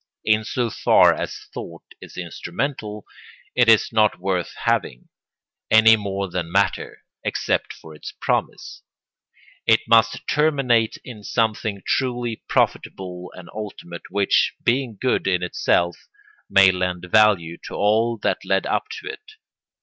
In so far as thought is instrumental it is not worth having, any more than matter, except for its promise; it must terminate in something truly profitable and ultimate which, being good in itself, may lend value to all that led up to it.